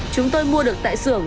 chúng tôi mua được tại xưởng